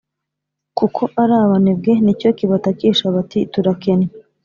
kuko ari abanebwe Ni cyo kibatakisha bati turakennye